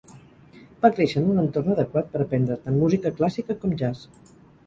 Va créixer en un entorn adequat per aprendre tant música clàssica com jazz.